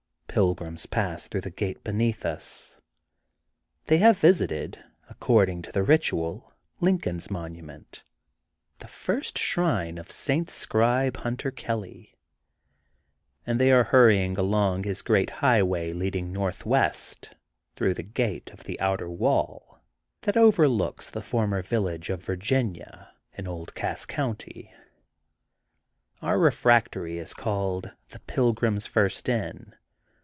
Pilgrims pass through the gate beneath us. They have visited, accord ing to the ritual, Lincoln's monument, the First Shrine of St. Scribe — ^Hunter Kelly, and they are hurrying along his great highway leading northwest through the Gate of the Outer Wall, that overlooks the former village of Virginia in old Cass County. Our refractory is called: — The Pilgrim's First Inn.